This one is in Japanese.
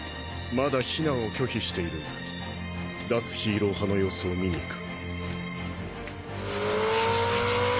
まだ避難を拒否している脱ヒーロー派の様子を見に行く。